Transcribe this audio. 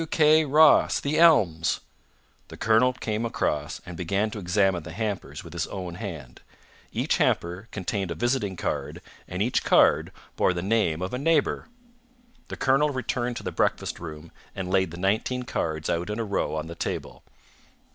W. K. Ross, The Elms." The colonel came across, and began to examine the hampers with his own hand. Each hamper contained a visiting card, and each card bore the name of a neighbour. The colonel returned to the breakfast room, and laid the nineteen cards out in a row on the table.